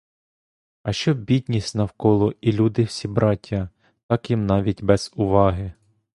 А що бідність навколо і люди всі браття, так їм навіть без уваги.